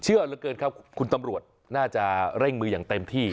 เชื่อเหลือเกินครับคุณตำรวจน่าจะเร่งมืออย่างเต็มที่